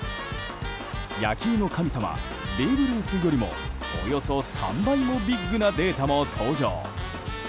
野球の神様ベーブ・ルースよりもおよそ３倍もビッグなデータも登場。